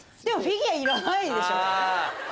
でもフィギュアいらないでしょ。